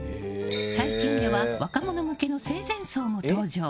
最近では若者向けの生前葬も登場。